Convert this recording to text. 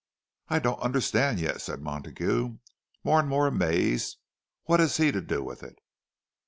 "I don't understand yet," said Montague, more and more amazed. "What has he to do with it?"